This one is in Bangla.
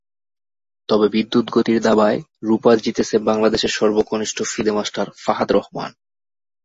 তবে বিদ্যুৎগতির দাবায় রুপা জিতেছে বাংলাদেশের সর্বকনিষ্ঠ ফিদে মাস্টার ফাহাদ রহমান।